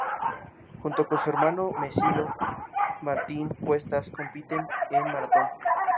Junto con su hermano mellizo Martín Cuestas compiten en maratón.